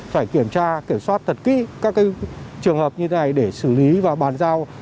phải kiểm tra kiểm soát thật kỹ các trường hợp như thế này để xử lý và bàn giao